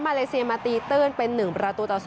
เลเซียมาตีตื้นเป็น๑ประตูต่อ๒